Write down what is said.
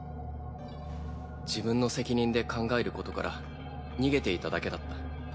自分の責任で考えることから逃げていただけだった。